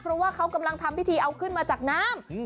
เพราะว่าเขากำลังทำพิธีเอาขึ้นมาจากน้ำ